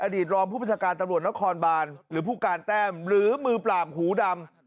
ตรองผู้ประชาการตำรวจนครบานหรือผู้การแต้มหรือมือปราบหูดำ